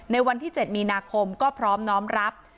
ในวันที่๗มีนาคมก็พร้อมน้อมรับ